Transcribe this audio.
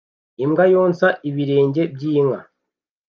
imbwa yonsa ibirenge by'inka